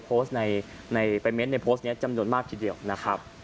ไปเม้นในโพสต์นี้จำนวนมากทีเดียวนะครับ